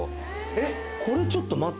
えっこれちょっと待って。